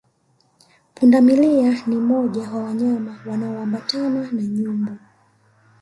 Pundamilia ni moja wa wanyama wanaoambatana na nyumbu